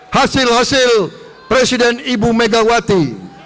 hasil hasil presiden ibu megawati